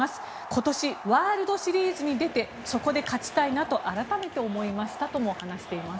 今年、ワールドシリーズに出てそこで勝ちたいなと改めて思いましたとも話しています。